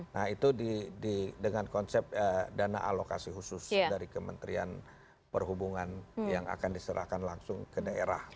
nah itu dengan konsep dana alokasi khusus dari kementerian perhubungan yang akan diserahkan langsung ke daerah